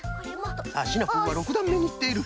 あっシナプーは６だんめにいっている。